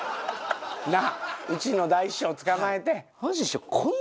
なぁうちの大師匠つかまえて。